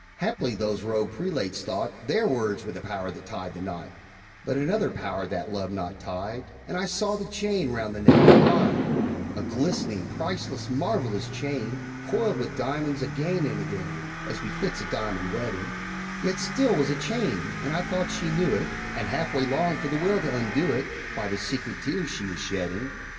Haply those robed prelates thought Their words were the power that tied the knot; But another power that love knot tied, And I saw the chain round the neck of the bride A glistening, priceless, marvelous chain, Coiled with diamonds again and again, As befits a diamond wedding; Yet still 'twas a chain, and I thought she knew it, And half way longed for the will to undo it, By the secret tears she was shedding.